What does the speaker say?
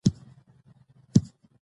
د غلا څخه ډډه کول